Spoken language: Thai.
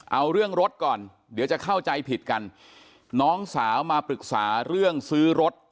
เอาเรื่องรถก่อนเดี๋ยวจะเข้าใจผิดกันน้องสาวมาปรึกษาเรื่องซื้อรถ